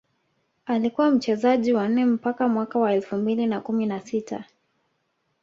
alikuwa mchezaji wa nje mpaka Mwaka elfu mbili na kumi na sita